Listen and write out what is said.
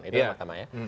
itu yang pertama ya